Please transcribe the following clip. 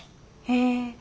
へえ。